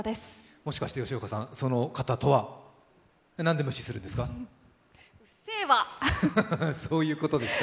もしかして、吉岡さん、その方とは？なんで無視するんですか？